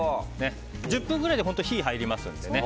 １０分ぐらいで火が入りますので。